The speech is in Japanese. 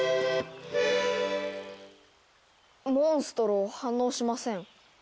モンストロ反応しません。